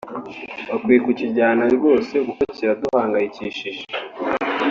Bakwiye kukijyana rwose kuko kiraduhangayikishije”